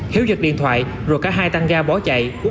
hiếu giật điện thoại rồi cả hai tăng ga bỏ chạy